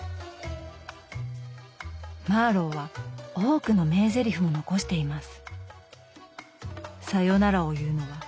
マーロウは多くの名ぜりふも残しています。